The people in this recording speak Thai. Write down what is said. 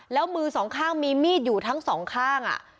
แล้วมือสองข้างมีมีดอยู่ทั้งสองข้าง